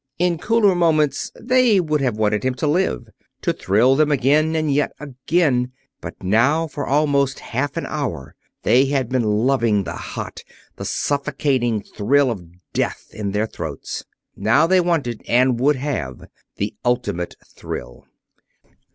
In cooler moments they would have wanted him to live, to thrill them again and yet again; but now, for almost half an hour, they had been loving the hot, the suffocating thrill of death in their throats. Now they wanted, and would have, the ultimate thrill.